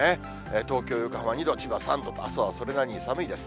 東京、横浜２度、千葉３度と、あすはそれなりに寒いです。